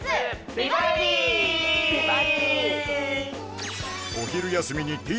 美バディ」